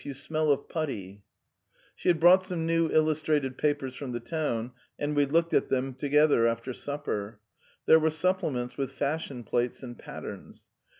You smell of putty." She had brought some new illustrated magazines from town and we both read them after supper. They had supplements with fashion plates aond patterns.